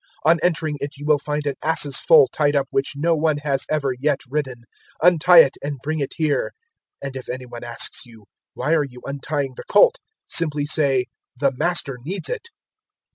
On entering it you will find an ass's foal tied up which no one has ever yet ridden: untie it, and bring it here. 019:031 And if any one asks you, `Why are you untying the colt?' simply say, `The Master needs it.'"